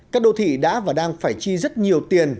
các đô thị đã và đang phải chi rất nhiều tiền